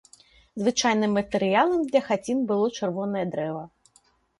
Звычайным матэрыялам для хацін было чырвонае дрэва.